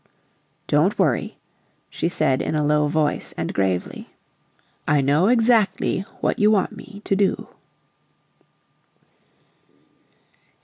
"Don't worry," she said, in a low voice and gravely. "I know exactly what you want me to do."